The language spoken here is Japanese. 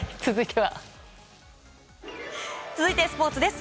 続いてはスポーツです。